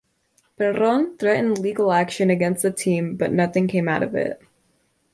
Perron threatened legal action against the team, but nothing came of it.